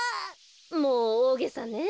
もうおおげさね。